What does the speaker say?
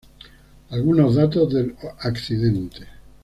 Algunos datos del accidente